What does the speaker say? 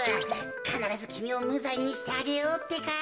かならずきみをむざいにしてあげようってか。